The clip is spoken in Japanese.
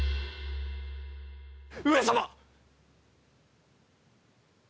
上様！